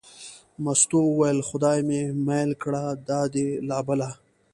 مستو وویل: خدای مې مېل کړه دا دې لا بله.